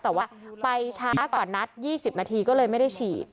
แต่ว่าไปช้ากว่านัด๒๐นาทีก็เลยไม่ได้ฉีด